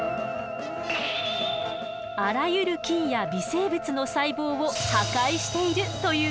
あらゆる菌や微生物の細胞を破壊しているというわけ。